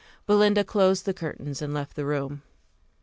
Belinda closed the curtains and left the room.